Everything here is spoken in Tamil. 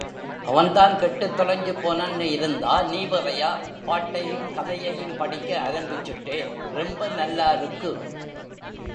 அவன்தான் கெட்டுத் தொலைஞ்சுப் போனன்னு இருந்தா நீ வேறையா பாட்டையும் கதையையும் படிக்க ஆரம்பிச்சுட்டே, ரொம்ப நல்லாருக்கு!